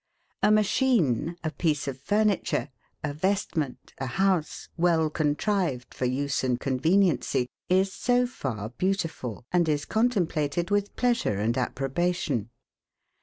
A machine, a piece of furniture, a vestment, a house well contrived for use and conveniency, is so far beautiful, and is contemplated with pleasure and approbation.